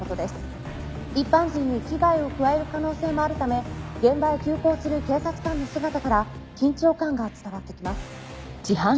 「一般人に危害を加える可能性もあるため現場へ急行する警察官の姿から緊張感が伝わってきます」